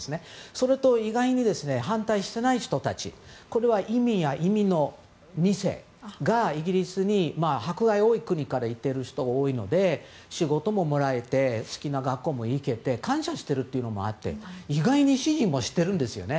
それと意外に反対していない人たちは移民や移民２世がイギリスに、迫害が多い国から行っている人が多いので仕事ももらえて好きな学校にも行けて感謝してるというのもあって意外に支持もしてるんですよね。